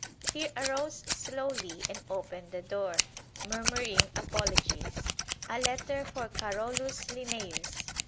He arose slowly and opened the door, murmuring apologies. A letter for Carolus Linnæus!